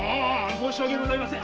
申し訳ございません。